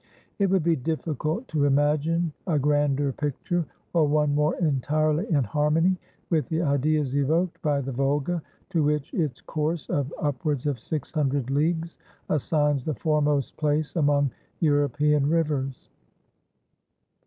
It would be difficult to imagine a grander picture, or one more entirely in harmony with the ideas evoked by the Volga, to which its course of upwards of six hundred leagues assigns the foremost place among European rivers."